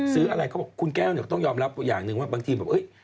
ซื้ออะไรเขาบอกคุณแก้วต้องยอมรับอย่างนึงว่าบางที